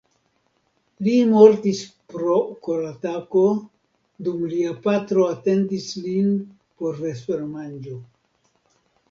Li mortis pro koratako dum lia patro atendis lin por vespermanĝo.